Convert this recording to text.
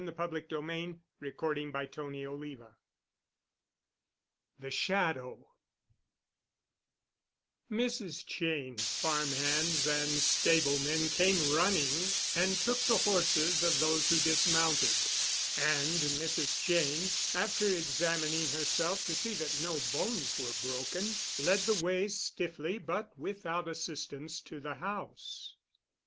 Give me a cigarette, somebody." *CHAPTER IX* *THE SHADOW* Mrs. Cheyne's farmhands and stablemen came running and took the horses of those who dismounted; and Mrs. Cheyne, after examining herself to see that no bones were broken, led the way, stiffly but without assistance, to the house.